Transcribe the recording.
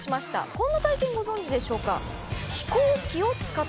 こんな体験ご存じでしょうか？